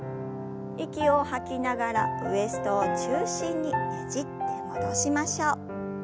息を吐きながらウエストを中心にねじって戻しましょう。